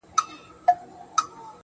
• خپلي خبري خو نو نه پرې کوی.